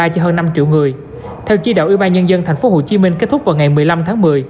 cho hơn năm triệu người theo chỉ đạo y tế tp hcm kết thúc vào ngày một mươi năm tháng một mươi